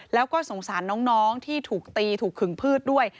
แล้วก็สงสารน้องที่ถูกตีถูกขึงพืชด้วย